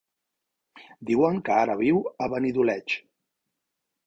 Diuen que ara viu a Benidoleig.